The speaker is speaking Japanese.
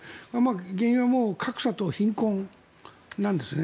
原因は格差と貧困なんですね。